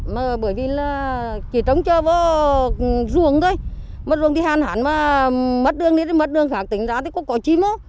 mà bởi vì là chỉ trống cho vào ruồng thôi mất ruồng thì hạn hạn mà mất đường đi thì mất đường khác tính ra thì có cõi chim á